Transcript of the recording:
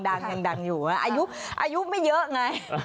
ดังยังดังอยู่นะอายุไม่เยอะไง